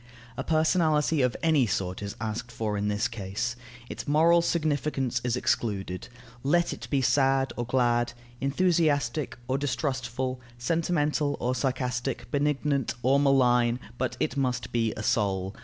A personality of any sort is asked for in this case; its moral significance is excluded: let it be sad or glad, enthusiastic or distrustful, sentimental or sarcastic, benignant or malign, but it must be a soul.